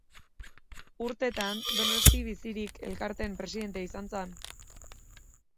Urtetan Donostia Bizirik elkartearen presidentea izan zen.